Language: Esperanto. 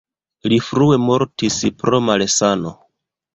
Li frue mortis pro malsano.